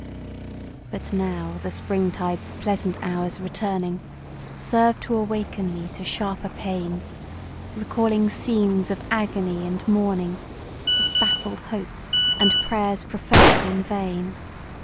But now the springtide's pleasant hours returning, Serve to awaken me to sharper pain; Recalling scenes of agony and mourning, Of baffled hope and prayers preferr'd in vain.